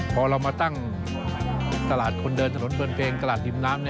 พอเรามาตั้งตลาดคนเดินถนนเบิร์นเพลงตลาดริมน้ำ